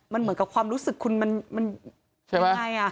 มันเหมือนกับความรู้สึกคุณมันยังไง